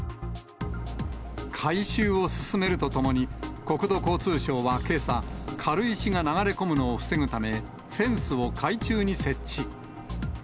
回収を進めるとともに、国土交通省はけさ、軽石が流れ込むのを防ぐため、フェンスを海中に設置。